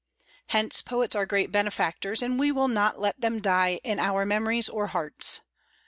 Hence poets are great benefactors, and we will not let them die in our memories or hearts.